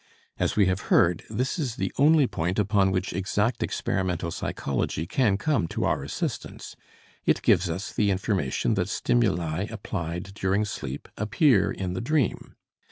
As we have heard, this is the only point upon which exact experimental psychology can come to our assistance; it gives us the information that stimuli applied during sleep appear in the dream.